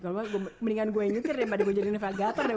kalau gak mendingan gue yang nyetir daripada gue jadi navigator deh